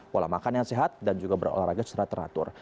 pola makan yang sehat dan juga berolahraga secara teratur